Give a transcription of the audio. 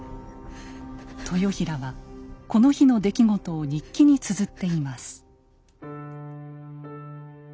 豊平はこの日の出来事を日記につづっています。